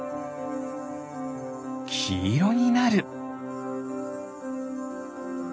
きいろになる！